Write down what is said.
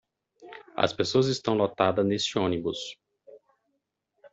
As pessoas estão lotadas neste ônibus.